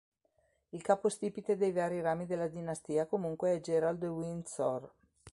Il capostipite dei vari rami della dinastia comunque è Gerald de Windsor.